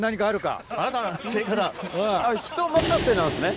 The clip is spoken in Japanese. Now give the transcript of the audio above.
人任せなんですね。